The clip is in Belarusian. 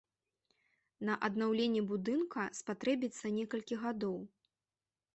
На аднаўленне будынка спатрэбіцца некалькі гадоў.